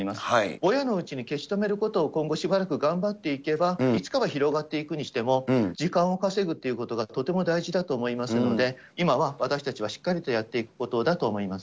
ぼやのうちに消し止めることを今後しばらく頑張っていけば、いつかは広がっていくにしても、時間を稼ぐということが、とても大事だと思いますので、今は私たちはしっかりとやっていくことだと思います。